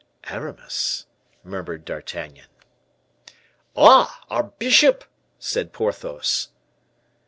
"Aramis," murmured D'Artagnan. "Ah! our bishop!" said Porthos.